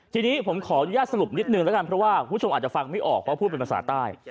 ทีนี้ผมขออนุญาตสรุปนิดนึงแล้วกันเพราะว่าคุณผู้ชมอาจจะฟังไม่ออกเพราะพูดเป็นภาษาใต้